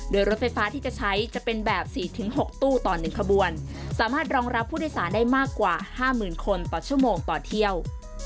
โดยรถไฟฟ้าที่จะใช้จะเป็นแบบ๔๖ตู้ต่อ๑ขบวนสามารถรองรับผู้โดยสารได้มากกว่า๕๐๐๐คนต่อชั่วโมงต่อเที่ยว